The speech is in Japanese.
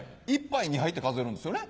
１杯２杯って数えるんですよね？